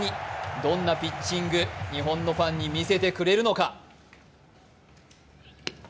どんなピッチング、日本のファンに見せてくれるのか。